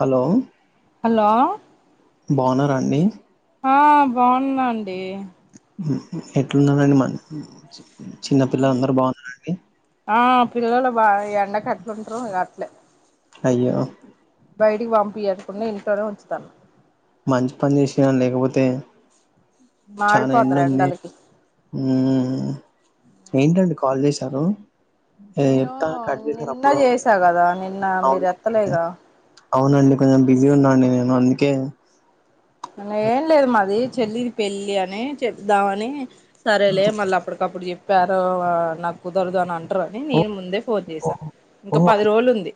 Hello hello బాగున్నారా అండి ఆ బాగున్నా అండి ఎట్లున్నారండి మరి చిన్నపిల్లల అందరు బాగున్నారా ఆ పిల్లలు బా ఈ ఎండకు ఎట్లుంటరు అట్లే అయ్యో బయటికి పంపియకుండా ఇంట్లోనే ఉంచుతా మంచి పని చేసినవ్ లేకపోతే చానా ఎండ మాడిపోతారు ఉంది ఎండలకి ఉహా ఏంటండీ కాల్ చేసారు నేను నిన్న చేశా కదా నిన్న అవును మీరు ఎత్తలే గా అవునండి కొంచెం బిజీగా ఉన్నా నేను అందుకే అలా ఏం లేదు మాది చెల్లిది పెళ్లి అని చెబుదామని సరేలే మల్ల అప్పటికప్పుడు చెప్పారు నాకు కుదరదు అనే అం అంటారు అని ఓ నేను ముందే ఫోన్ చేశా ఇంకా పది రోజులు ఉంది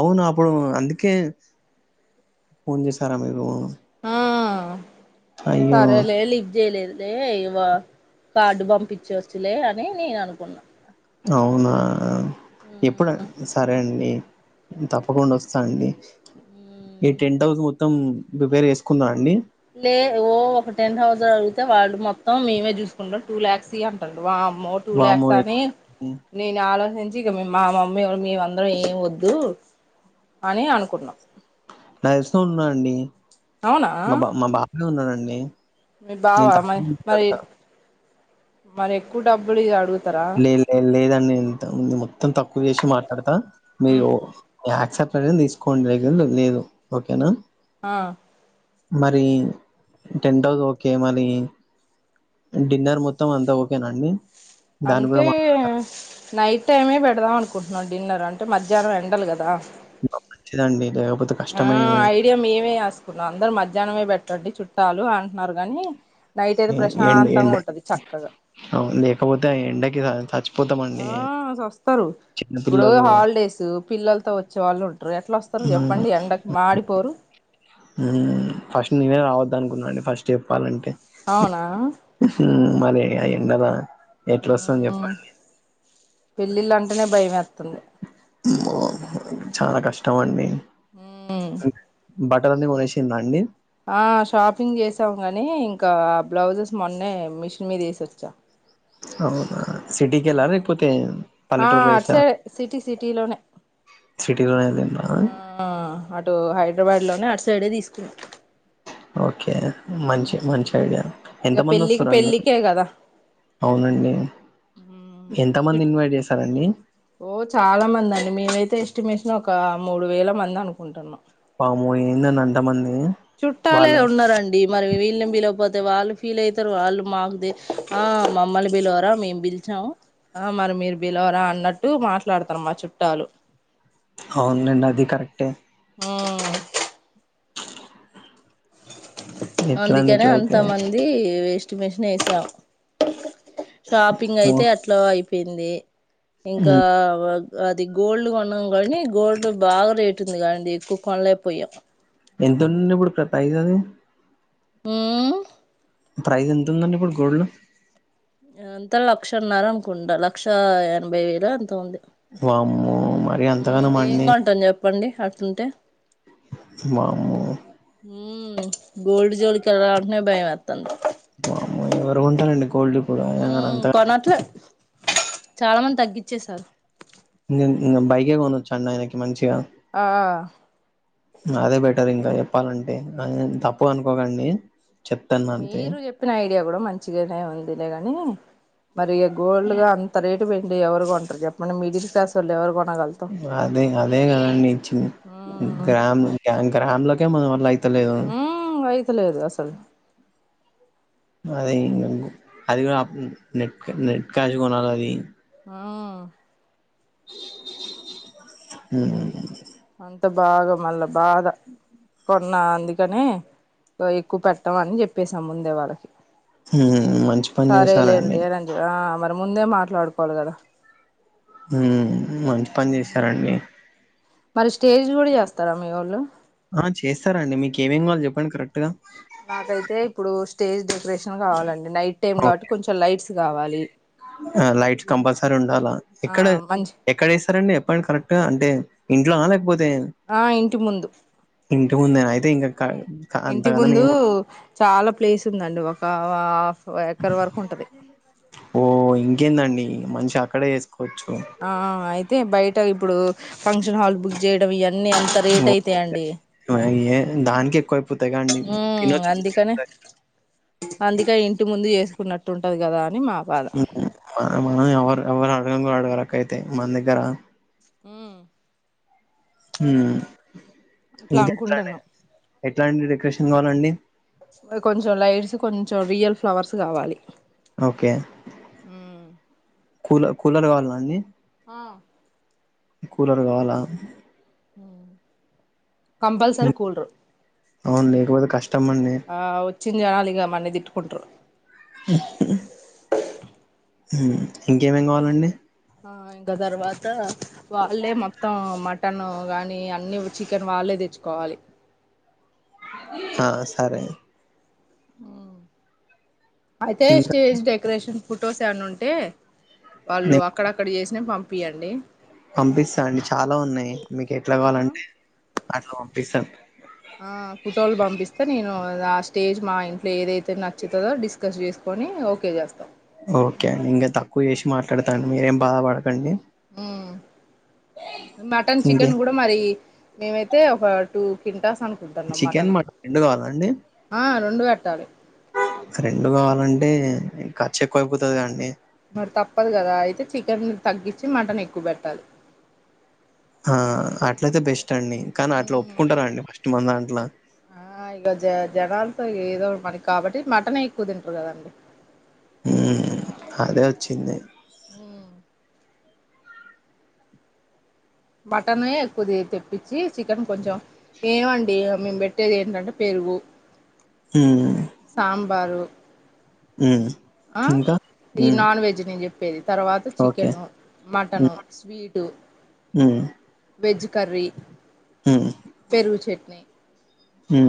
అవునా అప్పుడు అందుకే ఫోన్ చేసారా మీరు ఆ అయ్యో సరేలే లిఫ్ట్ చేయలేదు లే ఇవా కార్డు పంపించవచ్చులే అని నేను అనుకున్నా అవునా ఎప్పుడు సరే అండి తప్పకుండా వస్తా అండి ఈ టెంట్ హౌస్ మొత్తం ప్రిపేర్ చేసుకుందా అండి లేవు ఒక టెన్ థౌర్షండ్ అడిగితే వాళ్ళు మొత్తం మేమే చూసుకుంటాం టు లాక్స్ ఈ అంటారు వామ్మో టు వాము లాక్స్ అని నేను ఆలోచించి ఇక మా మమ్మీ ఎవరు మేమందరం ఏ వద్దు అని అనుకున్నాం తెలిసినోళ్లు ఉన్నారండి అవునా మా బా బావ ఉన్నారండి మీ బావ మరి మరి మరి ఎక్కువ డబ్బులు ఈ అడుగు లేదు లే లేదండి ఇంతకుముందు మొత్తం తక్కువ చేసి మాట్లాడతా మీరు యాక్సెప్ట్ నే తీసుకోండి లేకపోతే లేదు ఓకేనా ఆ మరి టెంట్ హౌస్ ఓకే మరి డిన్నర్ మొత్తం అంతా ఓకేనా అండి దాన్ని కూడా అంటే నైట్ టైమే పెడదాం అనుకుంటున్నాం డిన్నర్ అంటే మధ్యాహ్నం ఎండాలు కదా అబ్ మంచిదే అండి లేకపోతే కష్టమయ్యే అంటే మేమే ఆస్కున్నాం అందరు మధ్యాహ్నమే పెట్టండి చుట్టాలు అంటున్నారు కానీ నైట్ అయితే ఎం ఎండ ఎండ ప్రశాంతంగా ఉంటది చక్కగా అవును లేకపోతే ఆ ఎండకి సచ్చిపో ఆ సస్తారు ఇప్పుడు చిన్నపిల్లలు హాలిడేస్ పిల్లలతో వచ్చే వాళ్ళు ఉంటారు. ఎట్లా వస్తారు హ్మ్ చెప్పండి ఎండకు మాడిపోరు. ఫస్ట్ నేనే రావద్దు అనుకున్నాండి ఫస్ట్ చెప్పాలంటే అవునా మరి ఆ ఎండలో ఎట్ల వస్తం చెప్పండి పెళ్లిళ్ళ అంటేనే భయం వేత్తుంది. అమ్మో చానా కష్టం అండి హామ్ బట్టలన్నీ కొనేసింద అండి? ఆ షాపింగ్ చేసాం కాని ఇంకా బ్లౌజెస్ మొన్నే మిషన్ మీద వేసొచ్చా. అవునా సిటీకి వెళ్లారా, లేకపోతే ఆ పల్లెటూరు లొ అటు వేశారా? సైడ్ సిటీ సిటీలోనే సిటీలో అయితే ఆ అటు హైదరాబాద్ లోనే అటు సైడే తీసుకుని ఓకే మంచి మంచి ఐడియానే ఎంత ఇక మంది పెళ్ళికి వస్తారండి? పెళ్ళికే కదా అవునండి ఎంతమంది నీ చుట్ ఇన్వైట్ చేశారండి? ఓ చాలా మంది అండి మేమైతే ఎస్టిమేషన్ ఒక మూడు వేల మంది అనుకుంటున్నాం. వామ్మో ఏందండి అంతమంది చుట్టాలే వాళ్ళ ఉన్నారండి. డి మరి వీళ్ళని పిలవకపోతే వాళ్ళు ఫీల్ అయితారు వాళ్ళు మాకుదే ఆ మా మమ్మల్ని పిలువరా మేము పిల్ చం మరి మీరు పిలవరా అన్నట్టు మాట్లాడతారు మా చుట్టాలు అవునులేండి అది కరెక్టే ఆ ఎట్లండి అందుకనే ఇట్లయితే అంత మం ది ఎస్టిమేషన్ వేసాం షాపింగ్ మో అయితే అట్లా అయిపోయింది ఇంకా హ్మ్ అది గోల్డ్ కొన్నాం కానీ గోల్డ్ బాగా రేట్ ఉంది కదండీ ఎక్కువ కొనలేక పోయాం. ఎంత ఉండుంది ఇప్పుడు ప్రైజ్ అది? ఊ ప్రైజ్ ఎంతుందండి ఇప్పుడు గోల్డ్? ఎంత లక్షన్నర అనుకుంటా లక్ష ఎనభై వేలొ ఎంతో ఉంది. వామ్మో మా మ్ ఏం కొంటాం చెప్పండి అట్టుంటే వామ్మో మ్ గోల్డ్ జోలికి వెళ్లాలంటేనే భయమేత్తంది. వామ్మో ఎవరు కొంటారండీ గోల్డ్ ఇప్పుడు ఉ ఆయన అంత కొనట్లే చాలామంది తగ్గించేశారు. నేన్ ఇంకా బైకే కొనొచ్చా అండి ఆయనకి మంచిగా ఆఆ అదే బెటర్ ఇంకా చెప్పాలంటే ఆ తప్పుగా అనుకోకండి. చెప్తాను అంతే మీరు చెప్పిన ఐడియా కూడా మంచిగానే ఉందిలే గని మరి ఇక గోల్డ్ గా అంత రేట్ పెట్టి ఎవరు కొంటారు చెప్పండి మిడిల్ క్లాస్ వాళ్ళ ఎవరు కొనగ అదే అదే కదండి ఇచ్చింది ఉమ్ గ్రామ్ గ్రామ్ లోకే మనమన వా ళ్ల అయితలేదు. ఉమ్ అయితలేదు అసలు అదింగ్ అది కూడా నెట్ నెట్ క్యాష్ కొనాలి అది ఆ ఉ ఉ ఉ అంత బాగా మళ్ళా బాధ కొన్నా అందుకనే ఎక్కువ పెట్టమ అని చెప్పేసాం ముందే వాళ్ళకి ఉమ్ మంచి పని చేశారండి సరేలేండి అని ఆ మరి ముందే మాట్లాడుకోవాలి కదా ఉమ్ మంచి పని ఉమ్ చేశారండి మరి స్టేజ్ కూడా చేస్తారా మీ వోళ్ళు ఆ చేస్తారాండి మీకు ఏమేమి కావలి చెప్పండి కరెక్ట్గా నాకైతే ఇప్పుడు స్టేజ్ డెకరేషన్ కావాలండి నైట్ టైం గా కాబట్టి కొంచెం లైట్స్ కావాలి ఆ లైట్ కంపల్సరీ ఉండాలా ఆ ఇక్కడే మంచి ఎక్కడ చేస్తారండి చెప్పండి కరెక్ట్గ అంటే ఇంట్లో లేకపోతే ఆ ఇంటి ముందు ఇంటి ముందేన అయితే ఇంకా క అంతగనం మేము ఒ చాలా ప్లేస్ ఉందండి ఒక హాఫ్ ఎకర్ వరకు ఉంటది ఓ ఇంకేందండి మంచిగ అక్కడే ఎసుకోచ్చు అహ్ అయితే బయట ఇప్పుడు ఫంక్షన్ హాల్ బుక్ చేయడం ఇయన్నీ అంత రేట్ ఓకే. అయితాయిండి ఏ దానికి ఎక్కువైపోతాయి కాండి తినొచ్ ఇతనే అందుకే ఇంటి ముందు చేసుకున్నట్టు ఉంటది కదా అని మా బాధ మనం ఎవరు ఎవరు అడగన్ కూడ అడగరక్క అయితే మన దగ్గర ఉమ్ ఉమ్ అట్లా ఇంకా ఎట్లానే అనుకుంటున్నాం ఎట్లాంటి డెకరేషన్ కావాలండి కొంచెం లైట్స్ కొంచెం రియల్ ఫ్లవర్స్ కావాలి ఓకే ఉమ్ కూల కూలర్ కావాల్న అండి ఆ కూలర్ కావాలా కంపల్సరి హ్మ్. కూల్రు అవును లేకపోతే కష్టమండి ఆ వచ్చిన్ జనాలు ఇగ మన్నీ తిట్టుకుంట్రు హ్మ్ ఇంకేమేమి కావాలండి ఆ ఇంకా తర్వాత వాళ్ళే మొత్తం మ టన్ కానీ అన్నీ చికెన్ వాళ్ళే తెచ్చుకోవాలి ఆ సరే అయితే ఇంకా స్టేజ్ డెకరేషన్ ఫొటోస్ ఏవన్న ఉంటే వాళ్ళు నేను అక్కడక్కడ చేసిన పంపియండి పంపిస్తా అండి చాలా ఉన్నాయి మీకు ఎట్లా ఆ కావాలంటే అట్లా పంపిస్తాను ఆ ఫోటోలు పంపిస్తే నేను ఆ స్టేజ్ మా ఇంట్లో ఏదైతే తే నచ్చుతదో డిస్కస్ చేసుకొని ఓకే చేస్తాం ఓకే అండి ఇంగ తక్కువ చేసి మాట్లాడతాన్ మీరేం బాధ పడకండి మ్ మటన్ ఇంకే చికెన్ కూడా మరి మేమైతే ఒక టూ కింటాస్ అనుకుంటన్నా చికెన్, మటను మటన్ కావాలా అరెండు పెట్టాలి రెండు కావాలంటే ఖర్చు ఎక్కువైపోయింది కదండీ మరి తప్పదు కదా అయితే చికెన్ తగ్గించి మటన్ ఎక్కువ పెట్టాలి ఆ అట్ల అయితే బెస్ట్ అండి కానీ అట్లా ఉమ్ ఒప్పుకుంటార అండి ఫస్ట్ మన దాంట్ల ఆ ఇక జ జనాలతో ఏదో మనకి కాబట్టి మటనే ఎక్కువ తింటారు కదండి ఉ అదే వచ్చింది హ మటన్ ఎక్కుది తెప్పించి చికెన్ కొంచెం ఏమండి మేము పెట్టేది ఏంటంటే పెరుగు ఉమ్ సాంబారు హ్మ్. ఆ ఇంకా? ఈ హ్మ్. నాన్ వెజ్ నేను చెప్ చెప్పేది తర్వాత ఓకే. చికెను మటన్ స్వీటు ఉ వెజ్ కర్రీ హ్మ్. పెరుగు చట్నీ ఉ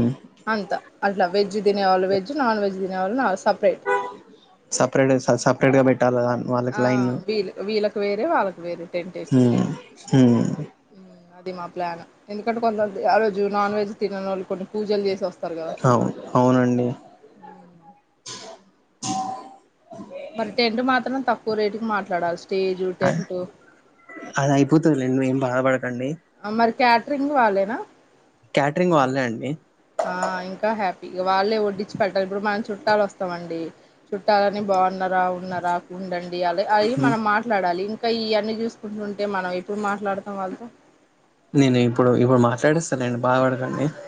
అంత అట్లా వెజ్ తినేళ్ళు వెజ్ నాన్ వెజ్ తినేవాళ్ళు సపరేట్ సపరేట్ సపరేట్గా పెట్టాలి వాళ్ళకి ఆ లైన్ వీళ్ వీళ్ళలకు వేరే వాళ్ళకు వేరే టెన్ వేసి హ్మ్ హ్మ్ అది మా ప్లాన్ ఎందుకంటే కొంతమంది ఆరోజు నాన్ వెజ్ తినని వాళ్ళు కొన్ని పూజలు చేసే వస్తారు కదా అవును అవునండి మరి టెంట్ మాత్రమే తక్కువ రేటు కు మాట్లాడాలి స్టేజు అ- టెంట్ అది అయిపోతుందిలేండి నువ్వు ఏం బాధపడకండి మరి క్యాటరింగ్ వాళ్ళేనా క్యాటరింగ్ వాళ్ళే అండి ఆ ఇంకా హ్యాపీ వాళ్ళే వడ్డించి పెళ్తారు ఇప్పుడు మనం చుట్టాలు వస్తామండి చుట్టాలని బాగున్నారా ఉన్నారా ఉండండి యాలి అది హ్మ్. మనం మాట్లాడాలి ఇంకా ఇవన్నీ చూసుకుంటుంటే మనం ఎప్పుడు మాట్లాడుతాం వాళ్ళతో నేను ఇప్పుడు ఇప్పుడు మాట్లాడేస్తానండి బాధ పడకండి ఆ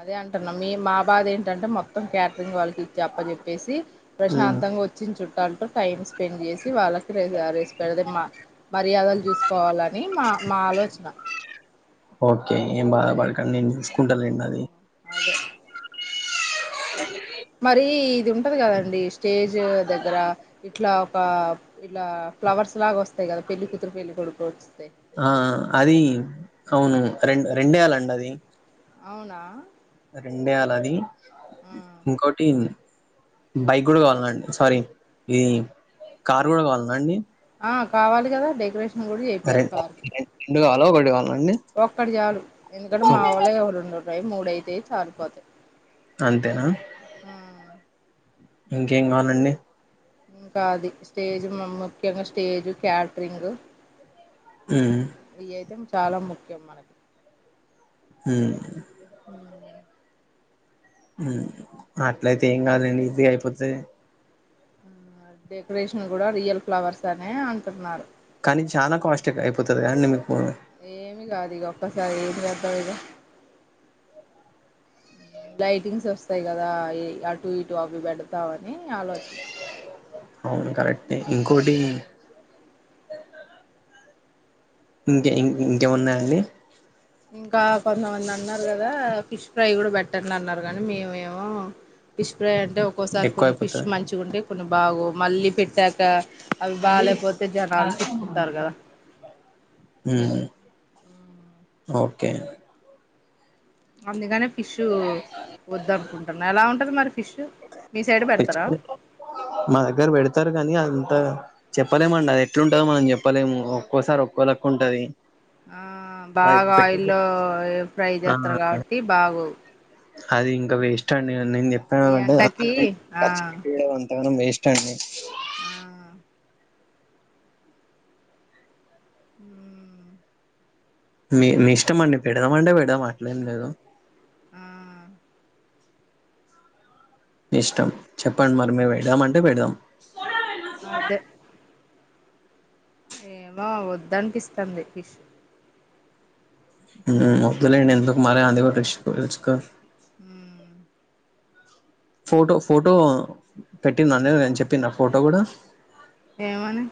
అదే అంటున్నా మీ మా బాధ ఏంటంటే మొత్తం క్యాటరింగ్ వాళ్ళకి ఇచ్చి అప్ప చెప్పేసి హ్మ్ ప్రశాంతంగా వచ్చి చు తో టైం స్పెండ్ చేసి వాళ్ళకి ర రేసిపె మా మర్యాదలు చూసుకోవాల అని మా మా ఆలోచన ఓకే ఏం బాధ పడకండి నేను చూసుకుంటాండి అది అదే [inaudible] మరి ఇది ఉంటది కదండి స్టేజ్ దగ్గర ఇట్లా ఒక ఇలా ఫ్లవర్స్లాగా వస్తాయి కదా పెళ్ళి కూతురు పెళ్లికొడుకు వస్తాయి ఆ అది అవును రెం రెండేయాలండి అది అవునా రెండేయాల అది ఆ ఇంకోటి ఇన్ని బైక్ కూడా కావాలన్నాండి సారీ ఇది కార్ కూడా కావాలన్నాండి ఆ కావాలి కదా డెకరేషన్ కూడా ర చేపియాలి రెండు కావాల ఒకటి కావాలండి ఒక్కటిచాలు ఎందుకంటే ఓ, మా వాళ్ళ ఎవరేండు ఉంటయి మూడయితేయి చారిపోతాయి అంతేనా ఉ ఇంకేం కావాలండి ఇంకాది స్టేజ్ ముఖ్యంగా స్టేజ్ క్యాటరింగ్ ఉమ్ ఈ ఐటమ్ చాలా ముఖ్యం మనకి ఏ ఉమ్ అట్లయితే ఏం కాదండి ఈజీ గా అయిపోతది డెకరేషన్ కూడా రియల్ ఫ్లవర్స్ అనే అంటున్నారు కానీ చాలా కాస్ట్ అయిపోతది కదండి మీకు ఏమి కాదు ఈ ఒక్కసారి ఏం చేద్దాం ఇగ లైటింగ్స్ వస్తాయి కదా ఈ అటు ఇటు అవి పెడతావని ఆలోచన అవును కరెక్ట్ ఏ ఇంకోటి ఇంకేం ఇం ఇంకేమున్నాయండి ఇంకా కొంతమంది అన్నారు కదా ఫిష్ ఫ్రై కూడా పెట్టట్లే అన్నారు కానీ మిమేమో ఫిష్ ఫ్రై అంటే ఒక్కోసారి ఎక్కువ కొన్ని ఫిష్ అయిపోతది మంచిగా ఉంటే కొన్ని బాగోవు మళ్ళీ పెట్టాకా అవి బాలేేపోతే జనాలు తిట్టుకుంటారు కదా ఉమ్ ఓకే అందుకనే ఫిష్ వద్దు అనుకుంటున్నా ఎలా ఉంటుంది మరి ఫిష్ మీ సైడ్ పెడతారా మా దగ్గర పెడతారు కానీ అంతా చెప్పలేమండి అది ఎట్లుంటదో మనం చెప్పలేము ఒక్కోసారి ఒక్కో లెక్క ఉంటది ఊ అది బాగా పెట్టదు ఆయిల్లో ఫ్రై ఆ చేస్తారు కాబట్టి బాగోవు అది ఇంకా వేస్ట్ అండి నీన్ చెప్ ఈ ఎండకి ఈ ఆ ఖర్చు పెడడం అంతగనం వేస్ట్ అండి ఆ హు మీ మీ ఇష్టమండి పెడదామంటే పెడదాం అట్లేమిలేదు ఆ ఇష్టం చెప్పండి మరి మేము పెడదాము అంటే పెడదాం అదే ఏం అబ్బా వద్దనిపిస్తంది పిష్ హు వొద్దులెండి ఎందుకు మరీ అది రిస్క్ రిస్క్ ఉమ్ ఫోటో ఫోటో పెట్టిందండి నేను చెప్పిన ఫోటో కూడా ఏమని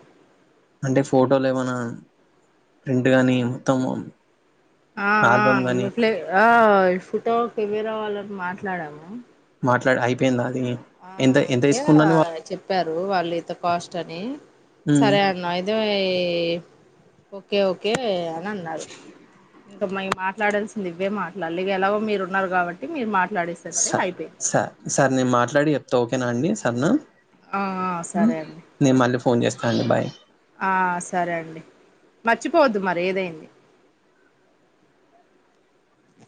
అంటే ఫోటోల ఏమన్నా ప్రింట్ కానీ మొత్తం ఆ ఆల్బమ్ గాని ఆ ఆ ఫోటో కెమెరా వాళ్ళని మాట్లాడాము మాట్లాడ అయిపోయిందా అండి మీ ఆ అంతే కదా చెప్పారు వాళ్ళు ఇంత కాస్ట్ అని ఉమ్, సరే నయితమయే ఓకే ఓకే అని అన్నారు మరి మాట్లాడాల్సింది నువ్వే మాట్లాలి ఇది ఎలాగూ మీరు ఉన్నారు కాబట్టి మీరు మాట్లాడేస్త స స సరే నేను మాట్లాడి చెప్తా ఓకేనా అండి సర్నా ఆ సరే అండి నేను మళ్ళీ ఫోన్ చేస్తా అండి బాయ్ ఆ సరే అండి మర్చిపోవద్దు మరి ఏదైంది